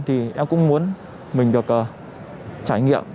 thì em cũng muốn mình được trải nghiệm